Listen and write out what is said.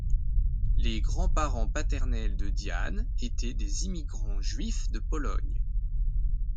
Les grands-parents paternels de Diane étaient des immigrants juifs de Pologne.